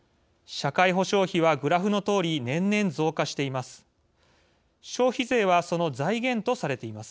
社会保障費はグラフのとおり年々、増加しています。